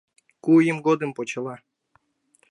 Кум ий годым почела